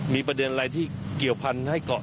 มีประเด็นอะไรที่เกี่ยวพันธุ์ให้เกาะ